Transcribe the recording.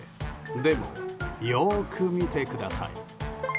でも、よく見てください。